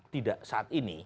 tidak saat ini